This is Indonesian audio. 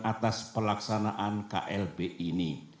atas pelaksanaan klb ini